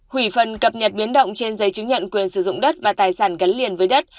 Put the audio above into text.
hủy phần cập nhật biến động trên giấy chứng nhận quyền sử dụng đất và tài sản gắn liền với đất